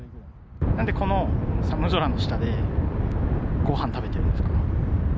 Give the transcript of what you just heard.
なんでこの寒空の下で、ごはん食べてるんですか？